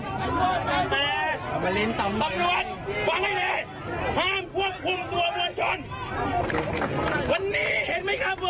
เพราะมันทำอะไรกับเราใส่ระหัส